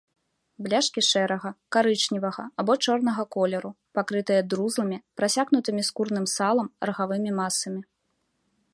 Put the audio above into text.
Бляшкі шэрага, карычневага або чорнага колеру, пакрытыя друзлымі, прасякнутымі скурным салам, рагавымі масамі.